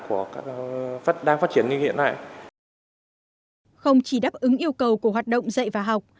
không chỉ đáp ứng yêu cầu của hoạt động dạy và học